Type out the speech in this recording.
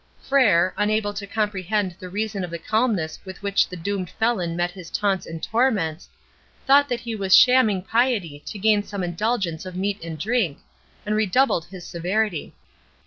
Frere, unable to comprehend the reason of the calmness with which the doomed felon met his taunts and torments, thought that he was shamming piety to gain some indulgence of meat and drink, and redoubled his severity.